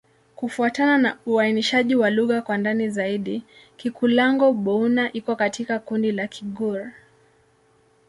Kufuatana na uainishaji wa lugha kwa ndani zaidi, Kikulango-Bouna iko katika kundi la Kigur.